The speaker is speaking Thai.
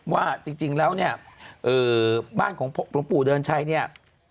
ว่าจริงแล้วเนี่ยบ้านของหลวงปู่เดือนชัยเนี่ย